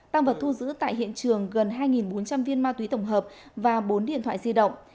tăng vật thu giữ tại hiện trường gần hai bốn trăm linh viên ma túy tổng hợp và bốn điện thoại di động